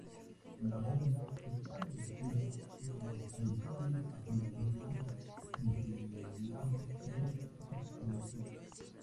La bóveda está revestida con los habituales azulejos blancos biselados del metro parisino.